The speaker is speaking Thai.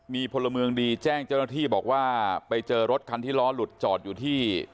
มีพลเมืองดีแจ้งเจ้าหน้าที่บอกว่าไปเจอรถคันที่ล้อหลุดจอดอยู่ที่